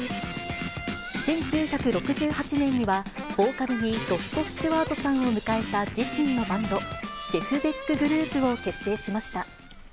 １９６８年には、ボーカルにロッド・スチュワートさんを迎えた自身のバンド、ジェフ・ベック・グループを結成しました。